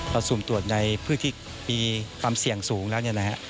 เราสูมตรวจในพื้นที่มีความเสี่ยงสูงแล้ว